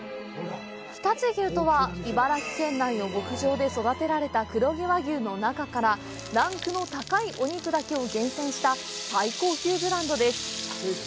常陸牛とは、茨城県内の牧場で育てられた黒毛和牛の中からランクの高いお肉だけを厳選した最高級ブランドです。